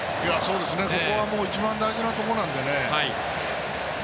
ここはもう一番大事なところなんでね。